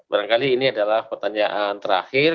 barangkali ini adalah pertanyaan terakhir